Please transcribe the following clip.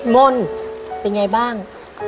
มนต์เป็นไงบ้าง